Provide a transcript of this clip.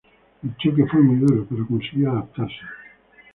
El choque fue muy duro pero consiguió adaptarse.